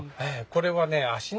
これはね